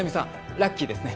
ラッキーですね。